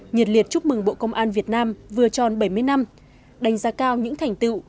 nhiệt liệt chúc mừng bộ công an việt nam vừa tròn bảy mươi năm đánh giá cao những thành tựu